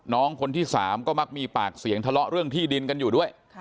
น้องคนที่สามก็มักมีปากเสียงทะเลาะเรื่องที่ดินกันอยู่ด้วย